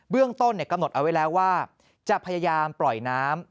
เรื่องต้นกำหนดเอาไว้แล้วว่าจะพยายามปล่อยน้ำ